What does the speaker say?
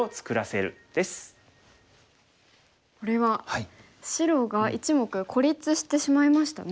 これは白が１目孤立してしまいましたね。